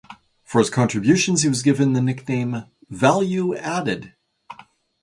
For his contributions he was given the nickname "Value Added".